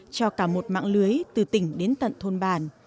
cho cả một mạng lưới từ tỉnh đến tận thôn bản